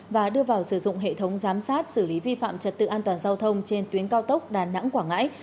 và đưa vào sử dụng hệ thống giám sát xử lý vi phạm trật tự an toàn giao thông trên tuyến cao tốc đà nẵng quảng ngãi